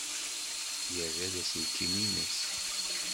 Yerra-d aselkim-nnes.